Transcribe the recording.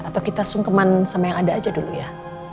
atau kita sungkeman sama yang ada aja dulu ya